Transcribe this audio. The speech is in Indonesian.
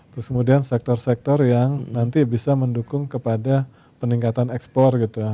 terus kemudian sektor sektor yang nanti bisa mendukung kepada peningkatan ekspor gitu ya